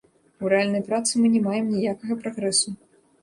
У рэальнай працы мы не маем ніякага прагрэсу.